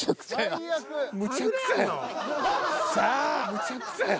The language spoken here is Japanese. むちゃくちゃや。